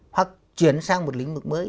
hoặc chuyển sang một lĩnh vực mới